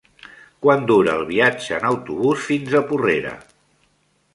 Quant dura el viatge en autobús fins a Porrera?